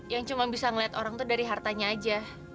yang cuma bisa ngeliat orang tuh dari hartanya aja